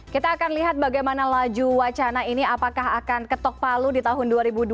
kita akan lihat bagaimana laju wacana ini apakah akan ketok palu di tahun dua ribu dua puluh